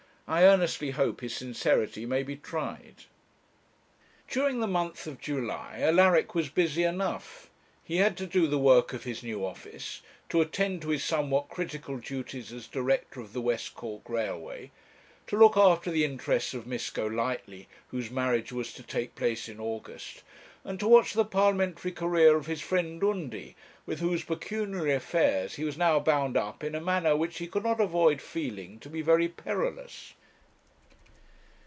I earnestly hope his sincerity may be tried.' During the month of July, Alaric was busy enough. He had to do the work of his new office, to attend to his somewhat critical duties as director of the West Cork Railway, to look after the interests of Miss Golightly, whose marriage was to take place in August, and to watch the Parliamentary career of his friend Undy, with whose pecuniary affairs he was now bound up in a manner which he could not avoid feeling to be very perilous.